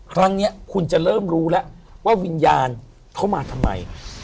ครั้งนี้คุณจะเริ่มรู้แล้วว่าวิญญาณเข้ามาทำไม